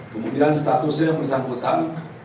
kemudian statusnya bersangkutan